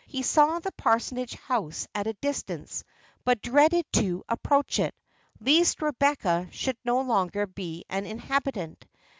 He saw the parsonage house at a distance, but dreaded to approach it, lest Rebecca should no longer be an inhabitant.